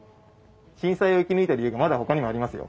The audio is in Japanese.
震災を生き抜いた理由がまだほかにもありますよ。